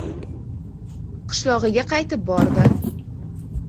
Qishlog‘iga qaytib bordi.